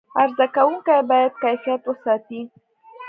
عرضه کوونکي باید کیفیت وساتي.